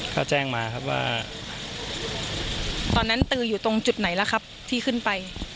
เขาแจ้งมาครับว่าตอนนั้นตืออยู่ตรงจุดไหนล่ะครับที่ขึ้นไป